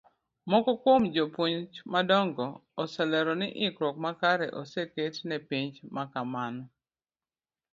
Moko kuom jo puonj madongo olero ni ikruok makare oseket ne penj makamano.